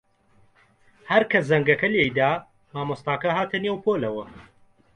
هەر کە زەنگەکە لێی دا، مامۆستاکە هاتە نێو پۆلەوە.